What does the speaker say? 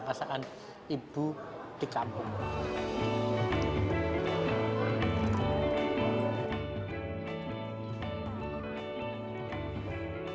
ini adalah hidangan yang paling terbaik untuk ibu di kampung